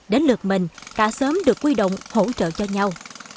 đến lượt mình cả sớm được quy động hỗ trợ cho nhau